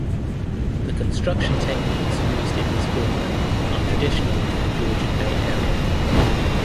The construction techniques used in this build are traditional to the Georgian Bay area.